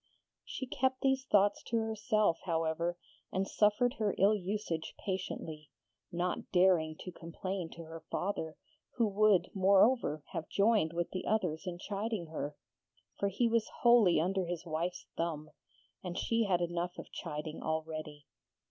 She kept these thoughts to herself, however, and suffered her ill usage patiently, not daring to complain to her father, who would, moreover, have joined with the others in chiding her, for he was wholly under his wife's thumb; and she had enough of chiding already.